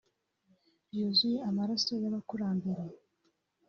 ryuzuye amaraso y’abakurambere